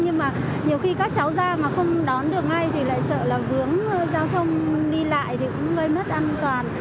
nhưng mà nhiều khi các cháu ra mà không đón được ngay thì lại sợ là vướng giao thông đi lại thì cũng gây mất an toàn